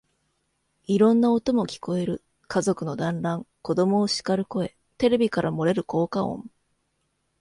いろんな音も聞こえる。家族の団欒、子供をしかる声、テレビから漏れる効果音、